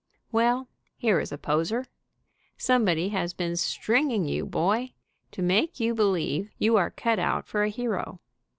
Well, here is a poser. Somebody has been "stringing" you, boy, to make you believe you are cut out for a hero.